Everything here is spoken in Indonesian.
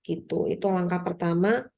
itu langkah pertama